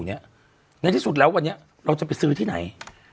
ในที่สุดแล้ววันนี้เราจะไปซื้อที่ไหน